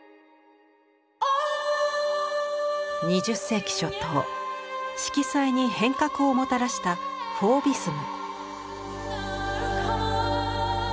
２０世紀初頭「色彩」に変革をもたらした「フォーヴィスム」。